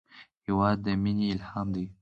هېواد د مینې الهام دی.